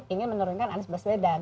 ingin menurunkan anies baswedan